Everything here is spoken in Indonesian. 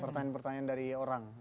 pertanyaan pertanyaan dari orang